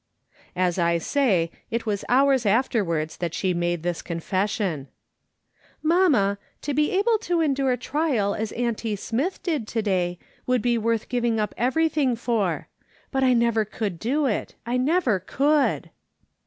As I say, it was hours afterwards that she made this confession. " IMamma, to be able to endure trial as auntie Smith did to day would be worth giving up every thing for ; but I never could do it ; I never could."